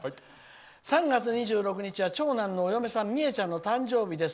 「３月２６日は長男のお嫁さんみえちゃんの誕生日です。